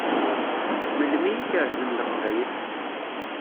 Melmi i kerrzen Leqbayel?